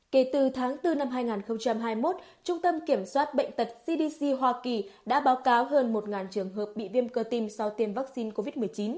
kể từ tháng bốn năm hai nghìn hai mươi một trung tâm kiểm soát bệnh tật cdc hoa kỳ đã báo cáo hơn một trường hợp bị viêm cơ tim sau tiêm vaccine covid một mươi chín